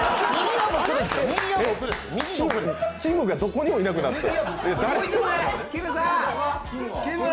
きむがどこにもいなくなった。